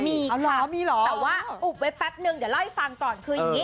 มีครับแต่อุบไว้แป๊บนึงเดี๋ยวเล่าให้ฟังก่อน